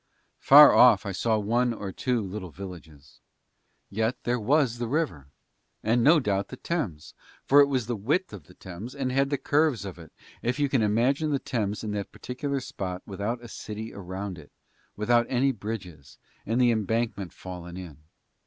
Far off I saw one or two little villages. Yet there was the river and no doubt the Thames, for it was the width of the Thames and had the curves of it, if you can imagine the Thames in that particular spot without a city around it, without any bridges, and the Embankment fallen in.